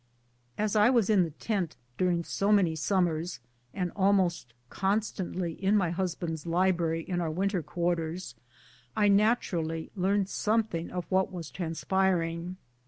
As I was in the tent during so many summers, and almost constantly in my husband's library in our winter quarters, I naturally learned something of what was transpiring.